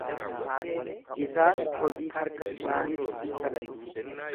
Isaan hojii harka isaaniitti in sagadu.